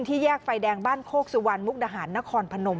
แยกไฟแดงบ้านโคกสุวรรณมุกดาหารนครพนม